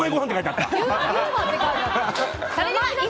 はい！